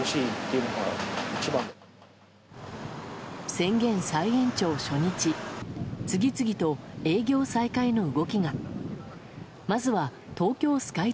宣言再延長初日次々と営業再開の動きが。